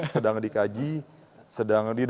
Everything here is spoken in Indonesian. sedang di dalam kajian sedang di dalam kajian